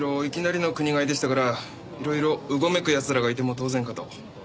いきなりの国替えでしたからいろいろうごめく奴らがいても当然かと。